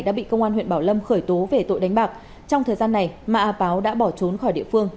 đã bị công an huyện bảo lâm khởi tố về tội đánh bạc trong thời gian này ma a páo đã bỏ trốn khỏi địa phương